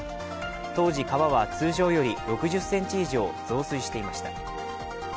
当時、川は通常より６０ｃｍ以上増水していました。